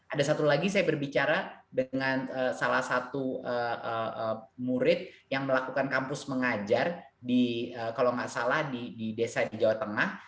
ada satu lagi saya berbicara dengan salah satu murid yang melakukan kampus mengajar di kalau nggak salah di desa di jawa tengah